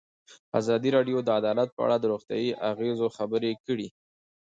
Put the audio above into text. ازادي راډیو د عدالت په اړه د روغتیایي اغېزو خبره کړې.